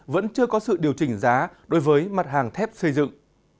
vẫn chưa có sự điều chỉnh giá đối với mặt hàng thép xây dựng